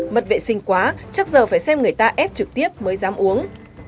mất vệ sinh quá chắc giờ phải xem người ta ép trực tiếp mới dám uống